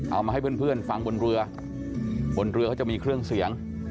เอามาให้เพื่อนฟังบนเรือบนเรือเขาจะมีเครื่องเสียง